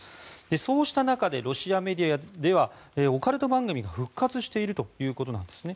そうした中でロシアメディアではオカルト番組が復活しているということなんですね。